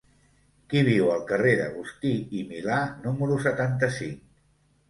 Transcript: Qui viu al carrer d'Agustí i Milà número setanta-cinc?